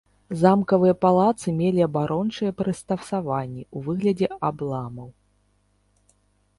Замкавыя палацы мелі абарончыя прыстасаванні ў выглядзе абламаў.